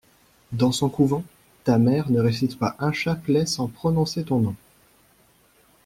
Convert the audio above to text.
Dans son couvent, ta mère ne récite pas un chapelet sans prononcer ton nom.